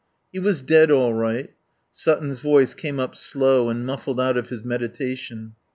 "He was dead all right." Sutton's voice came up slow and muffled out of his meditation.